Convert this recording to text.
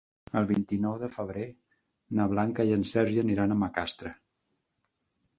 El vint-i-nou de febrer na Blanca i en Sergi aniran a Macastre.